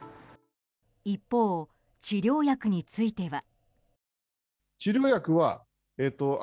一方、治療薬については。